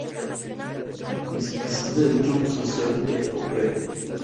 Vicepresidente del Club Social de Copiapó.